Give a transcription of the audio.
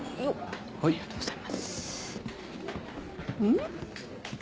ん？